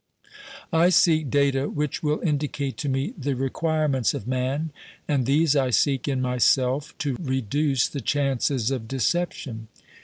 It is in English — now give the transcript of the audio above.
I seek data which will indicate to me the requirements of man, and these I seek in myself, to reduce the chances of de ception.